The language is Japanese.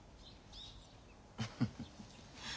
ウフフフ。